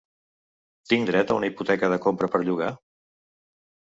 Tinc dret a una hipoteca de compra per llogar?